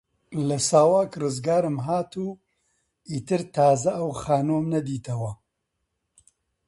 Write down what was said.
لە ساواک ڕزگارم هات و ئیتر تازە ئەو خانووەم نەدیتەوە